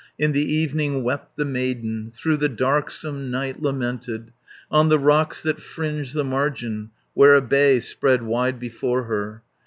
In the evening wept the maiden, Through the darksome night lamented, 300 On the rocks that fringed the margin, Where a bay spread wide before her.